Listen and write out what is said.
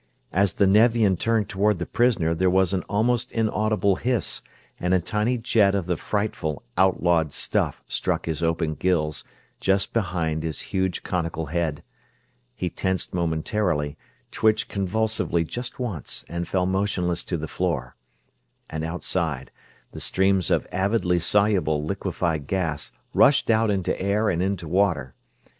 As the Nevian turned toward the prisoner there was an almost inaudible hiss and a tiny jet of the frightful, outlawed stuff struck his open gills, just below his huge, conical head. He tensed momentarily, twitched convulsively just once, and fell motionless to the floor. And outside, the streams of avidly soluble liquefied gas rushed out into air and into water.